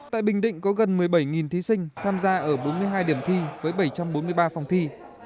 tại bình định có gần một mươi bảy thí sinh tham gia ở bốn mươi hai điểm thi với bảy trăm bốn mươi ba phòng thi